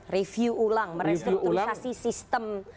review ulang merestrukturasi sistem